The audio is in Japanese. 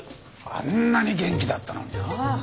あんなに元気だったのになあ。